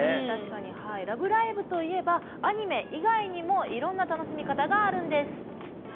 「ラブライブ！」といえばアニメ以外にもいろんな楽しみ方があるんです。